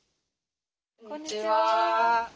こんにちは。